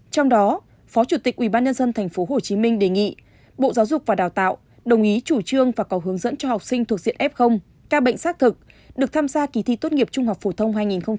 trong đó phó chủ tịch ubnd tp hcm đề nghị bộ giáo dục và đào tạo đồng ý chủ trương và có hướng dẫn cho học sinh thuộc diện f ca bệnh xác thực được tham gia kỳ thi tốt nghiệp trung học phổ thông hai nghìn hai mươi